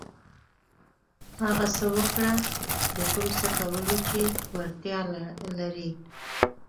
هغه څه وکړه د کوم څه کولو چې وړتیا لرئ.